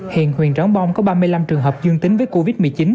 hiện huyện tráng bông có ba mươi năm trường hợp dương tính với covid một mươi chín